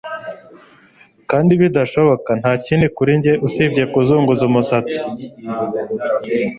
Kandi birashoboka ntakindi kuri njye usibye kuzunguza umusatsi